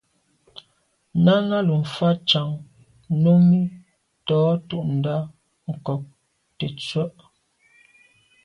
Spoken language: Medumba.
Náná lù fá càŋ Númí tɔ̌ tûɁndá ŋkɔ̀k tə̀tswə́Ɂ.